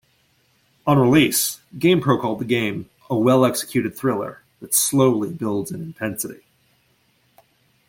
On release, "GamePro" called the game "a well-executed thriller that slowly builds in intensity.